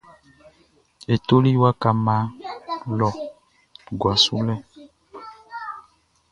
E toli waka mma lɔ guaʼn su lɔ.